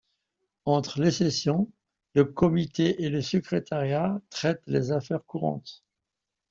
Entre les sessions, le Comité et le secrétariat traitent les affaires courantes.